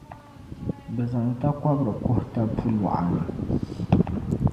bɛ zaŋ takɔbiri kuhi tab’ puluɣa ni.